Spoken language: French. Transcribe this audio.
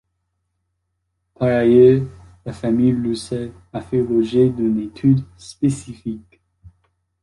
Par ailleurs, la famille Roussel a fait l'objet d'une étude spécifique.